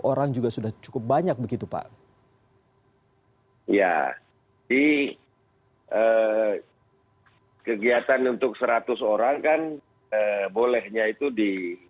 orang juga sudah cukup banyak begitu pak ya di kegiatan untuk seratus orang kan bolehnya itu di